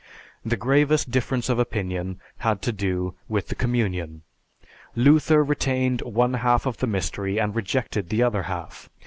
The gravest difference of opinion had to do with the Communion. "Luther retained one half of the mystery, and rejected the other half.